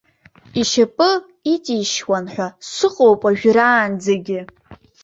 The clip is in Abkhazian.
Ишьапы иҵишьуан ҳәа сыҟоуп уажәраанӡагьы.